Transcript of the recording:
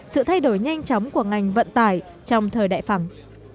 sự thay đổi nhanh chóng của ngành vận tải trong thời đại phẳng